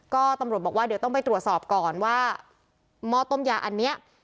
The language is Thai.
ก็ตำรวจบอกว่าเดี๋ยวต้องไปตรวจสอบก่อนว่าหม้อต้มยาอันนี้